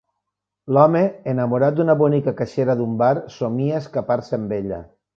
L'home, enamorat d’una bonica caixera d'un bar, somia escapar-se amb ella.